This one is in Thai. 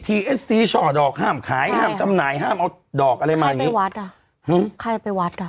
เอฟซีช่อดอกห้ามขายห้ามจำหน่ายห้ามเอาดอกอะไรมาอย่างงี้ที่วัดอ่ะใครไปวัดอ่ะ